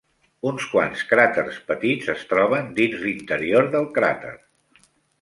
Uns quants cràters petits es troben dins l'interior del cràter.